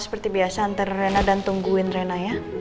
seperti biasa antara rena dan tungguin rena ya